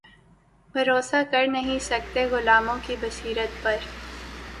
بھروسا کر نہیں سکتے غلاموں کی بصیرت پر